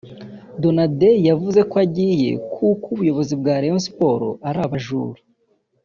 Donadei yavuze ko agiye kuko ubuyobozi bwa Rayon Sports ari abajura